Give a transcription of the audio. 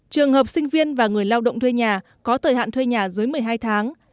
trường hợp sinh viên và người lao động thuê nhà có thời hạn thuê nhà dưới một mươi hai tháng